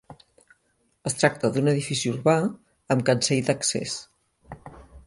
Es tracta d'un edifici urbà amb cancell d'accés.